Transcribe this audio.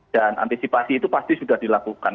dan antisipasi itu pasti sudah dilakukan